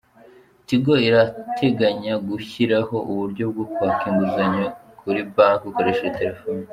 Tigo iranateganya gushyiraho uburyo bwo kwaka inguzanyo kuri banki ukoresheje telefone.